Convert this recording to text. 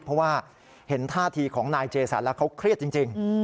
เพราะว่าเห็นท่าทีของนายเจสันแล้วเขาเครียดจริง